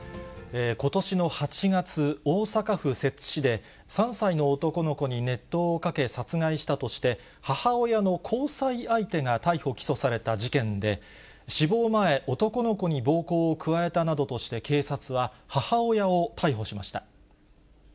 ことしの８月、大阪府摂津市で、３歳の男の子に熱湯をかけ殺害したとして、母親の交際相手が逮捕・起訴された事件で、死亡前、男の子に暴行を加えたなどとして、警察は母親を逮捕しました。